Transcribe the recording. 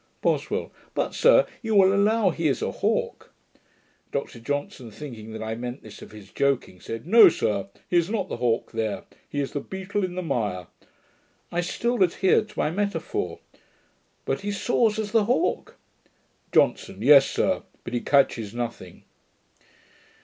BOSWELL. 'But, sir, you will allow he is a hawk.' Dr Johnson, thinking that I meant this of his joking, said, 'No, sir, he is not the hawk there. He is the beetle in the mire.' I still adhered to my metaphor. 'But he SOARS as the hawk.' JOHNSON. 'Yes, sir; but he catches nothing.'